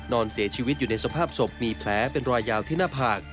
นอนเสียชีวิตอยู่ในสภาพศพมีแผลเป็นรอยยาวที่หน้าผาก